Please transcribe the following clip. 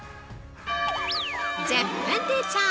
◆「１０分ティーチャー」